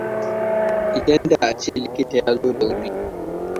Idan da ace likita ya zo da wuri.